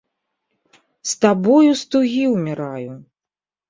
З табою з тугі ўміраю!